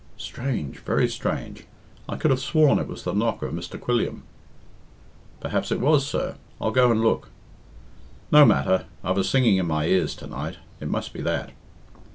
"Strange! Very strange! I could have sworn it was the knock of Mr. Quilliam." "Perhaps it was, sir. Ill go and look." "No matter. I've a singing in my ears to night. It must be that."